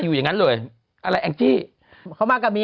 นี่นี่นี่นี่นี่นี่นี่